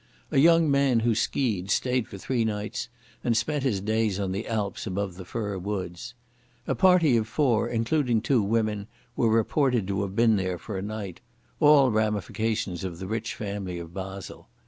A young man who ski ed stayed for three nights and spent his days on the alps above the fir woods. A party of four, including two women, was reported to have been there for a night—all ramifications of the rich family of Basle.